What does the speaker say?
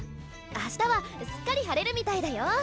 明日はすっかり晴れるみたいだよ？